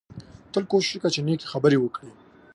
تل کوشش وکړه چې نېکې خبرې وکړې